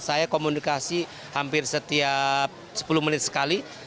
saya komunikasi hampir setiap sepuluh menit sekali